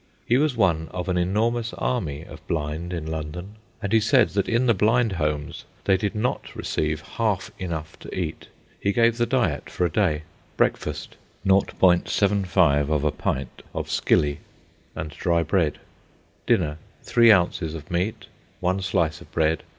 He was one of an enormous army of blind in London, and he said that in the blind homes they did not receive half enough to eat. He gave the diet for a day:— Breakfast—0.75 pint of skilly and dry bread. Dinner —3 oz. meat. 1 slice of bread.